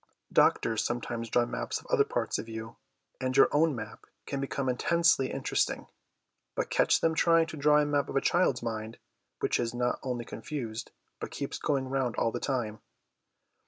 Doctors sometimes draw maps of other parts of you, and your own map can become intensely interesting, but catch them trying to draw a map of a child's mind, which is not only confused, but keeps going round all the time.